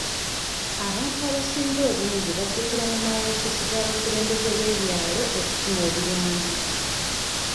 Abantu abasinga obungi baddukira mu mawoofiisi ga bakulembeze b'ebyalo okufuna obuyambi.